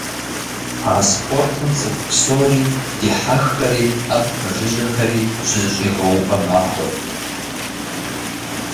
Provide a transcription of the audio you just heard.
А спортым цӏыху псори - дихьэххэри абы пэжыжьэхэри - щызэщӏигъэуӏуа махуэт.